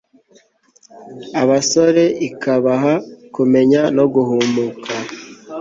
abasore ikabaha kumenya no guhumuka